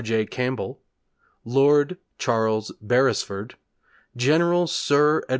J. Campbell Lord Charles Beresford Gen. Sir Ed.